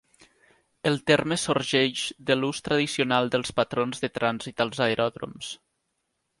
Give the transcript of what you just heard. El terme sorgeix de l'ús tradicional dels patrons de trànsit als aeròdroms.